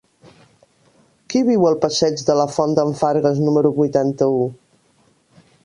Qui viu al passeig de la Font d'en Fargues número vuitanta-u?